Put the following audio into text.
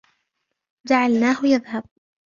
جعلناه يذهب.